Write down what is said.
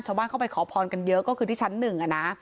เข้าไปขอพรกันเยอะก็คือที่ชั้นหนึ่งอ่ะนะ